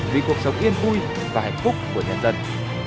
vì cuộc sống yên vui và hạnh phúc của nhân dân